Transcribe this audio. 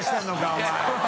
お前。